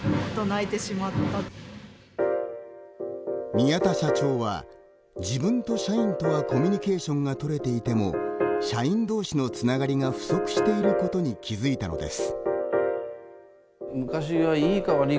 宮田社長は、自分と社員とはコミュニケーションが取れていても社員同士のつながりが不足していることに気付いたのです。